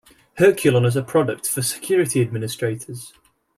Herculon is a product for security administrators.